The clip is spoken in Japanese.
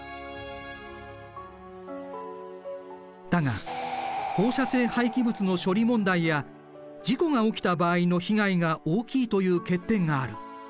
だが放射性廃棄物の処理問題や事故が起きた場合の被害が大きいという欠点がある。